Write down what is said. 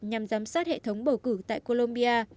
nhằm giám sát hệ thống bầu cử tại colombia